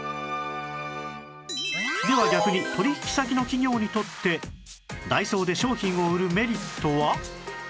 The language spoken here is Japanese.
では逆に取引先の企業にとってダイソーで商品を売るメリットは？